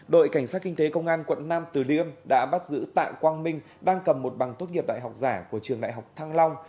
đội cảnh sát kinh tế công an quận nam từ liêm đã bắt giữ tạ quang minh đang cầm một bằng tốt nghiệp đại học giả của trường đại học thăng long